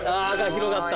広がった。